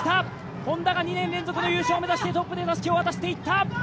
Ｈｏｎｄａが２年連続の優勝を目指してトップでたすきを渡していった。